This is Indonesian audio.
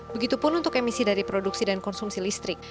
begitupun untuk emisi dari produksi dan konsumsi listrik